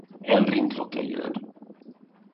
En ringklocka ljöd.